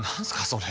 それ。